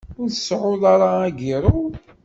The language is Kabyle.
Ur tseɛɛuḍ ara agiṛṛu?